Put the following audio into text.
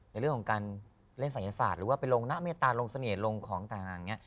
ในเรื่องของการเล่นศัยศาสตร์หรือว่าไปลงนะเมตตาลงเสน่ห์ลงของต่างอย่างนี้